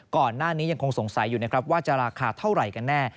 ก่อนหน้านี้ยังคงสงสัยอยู่นะครับว่าจะราคาเท่าไรกันแน่